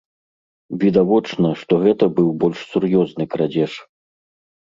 Відавочна, што гэта быў больш сур'ёзны крадзеж.